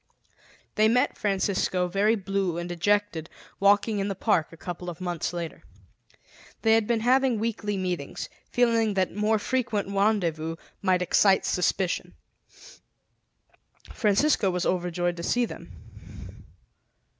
They met Francisco, very blue and dejected, walking in the park a couple of months later. They had been having weekly meetings, feeling that more frequent rendezvous might excite suspicion. Francisco was overjoyed to see them.